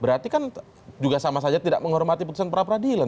berarti kan juga sama saja tidak menghormati putusan pra peradilan